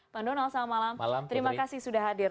pak donald selamat malam terima kasih sudah hadir